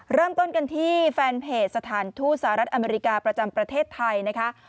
เริ่มต้นกันที่แฟนเพจสถานทูตสหรัฐอเมริกาประจำประเทศไทยนะคะ